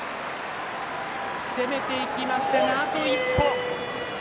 攻めてきましたが、あと一歩。